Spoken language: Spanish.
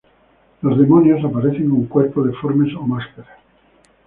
Los demonios aparecen con cuerpos deformes, o máscaras.